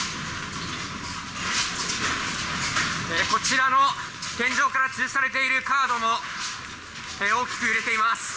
こちらの天井からつるされているカードも大きく揺れています。